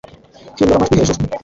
hindura amajwi hejuru